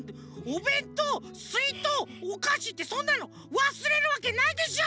おべんとうすいとうおかしってそんなのわすれるわけないでしょ！